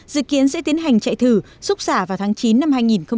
dự kiến sẽ tiến hành chạy thử xúc xả vào tháng chín năm hai nghìn một mươi tám